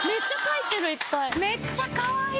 めっちゃかわいい！